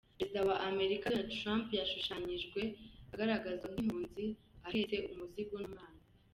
Perezida wa Amerika Donald Trump yashushanyijwe agaragazwa nk’impunzi ahetse umuzigo n’umwana.